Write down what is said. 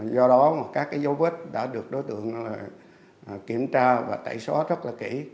do đó các dấu vết đã được đối tượng kiểm tra và tẩy xóa rất là kỹ